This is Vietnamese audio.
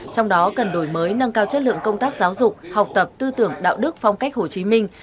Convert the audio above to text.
trong đó cần đổi mới nâng cao chất lượng công tác giáo dục học tập tư tưởng đạo đức phong cách hồ chí minh